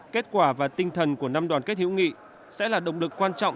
kết quả và tinh thần của năm đoàn kết hữu nghị sẽ là động lực quan trọng